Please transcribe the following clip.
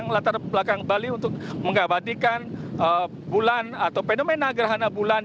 ini gambar gambar atau latar belakang bali untuk mengabadikan bulan atau fenomena gerhana bulan